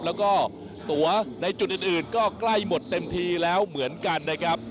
แล้วก็ตัวในจุดอื่นก็ใกล้หมดเต็มทีแล้วเหมือนกันนะครับ